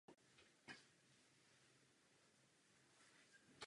Ze Swiss Indoors si odvezl rekordní sedmou trofej.